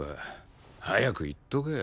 早く言っとけよ。